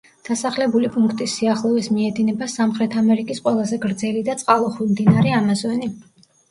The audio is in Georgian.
დასახლებული პუნქტის სიახლოვეს მიედინება სამხრეთ ამერიკის ყველაზე გრძელი და წყალუხვი მდინარე ამაზონი.